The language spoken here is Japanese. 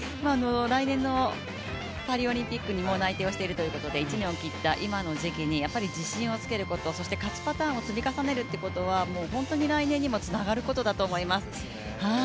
来年のパリオリンピックにもう内定をしているということで１年を切った今の時期にやっぱり自信をつけること勝ちパターンを積み重ねるってことは本当に来年にもつながることだと思います。